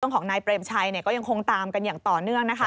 ของนายเปรมชัยก็ยังคงตามกันอย่างต่อเนื่องนะคะ